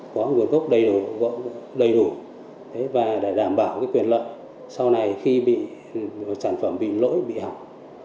có nguồn gốc đầy đủ và đảm bảo quyền lợi sau này khi sản phẩm bị lỗi bị hỏng